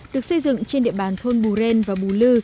được xây dựng trên địa bàn thôn bù ren và bù lư